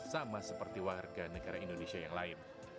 sama seperti warga negara indonesia yang lain